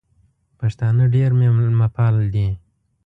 پښتانه ډېر مېلمه پال دي.